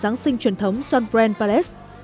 giáng sinh truyền thống sean brand palace